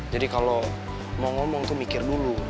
jadi kalo mau ngomong tuh mikir dulu